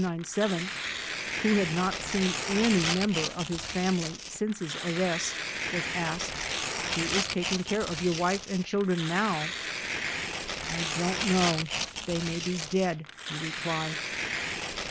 54809/297), who had not seen any member of his family since his arrest, was asked, "Who is taking care of your wife and children now?" "I don't know, they may be dead," he replied.